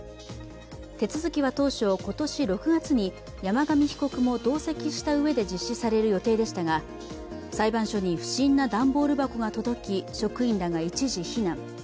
手続きは当初、今年６月に山上被告も同席したうえで実施される予定でしたが、裁判所に不審な段ボール箱が届き職員らが一時避難。